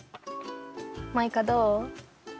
マイカどう？